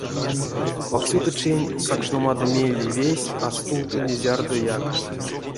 Паксютычень сакшномадо мейле весь а стувтови зярдояк.